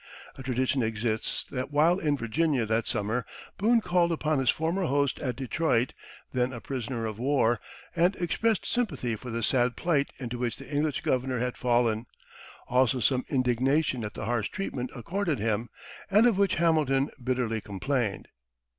A tradition exists that while in Virginia that summer Boone called upon his former host at Detroit, then a prisoner of war, and expressed sympathy for the sad plight into which the English governor had fallen; also some indignation at the harsh treatment accorded him, and of which Hamilton bitterly complained.